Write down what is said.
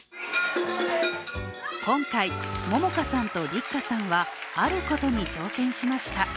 今回、桃花さんと律歌さんはあることに挑戦しました。